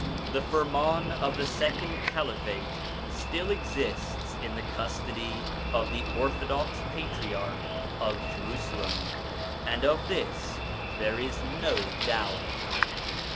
The firman of the second Caliphate 1 still exists in the custody of the orthodox Patriarch of Jerusalem, and of this there is no doubt.